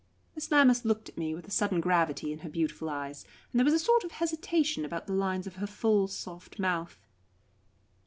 Miss Lammas looked at me with a sudden gravity in her beautiful eyes, and there was a sort of hesitation about the lines of her full, soft mouth.